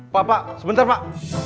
pak pak sebentar pak